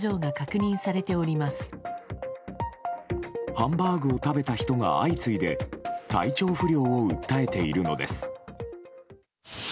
ハンバーグを食べた人が相次いで体調不良を訴えているのです。